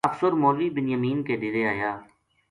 افسر مولوی بنیامین کے ڈیرے آیا